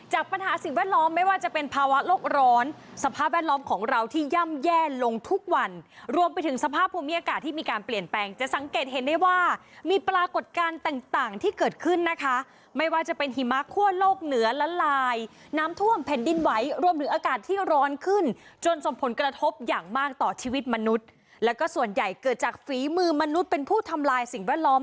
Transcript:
หี่ย่ำแย่ลงทุกวันรวมไปถึงสภาพภูมิอากาศที่มีการเปลี่ยนแปลงจะสังเกตเห็นได้ว่ามีปรากฎการณ์ต่างที่เคยชื่นนะคะไม่ว่าจะเป็นหิมะคั่วโลกเหนือละลายน้ำถ้วงเพลินไว้รวมถึงอากาศที่ร้อนขึ้นจนสมพลกระทบอย่างมากต่อชีวิตมนุษย์แล้วก็ส่วนใหญ่เกิดจากฟีมือมนุษย์เป็นผู้ทำลายสิ